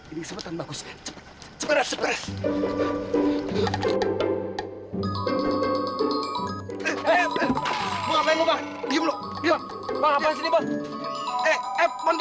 ini kesempatan bagus cepet cepet